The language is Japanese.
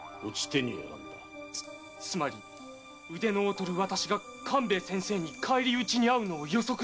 つまり腕の劣る私が勘兵衛先生に返り討ちにあうのを予測して。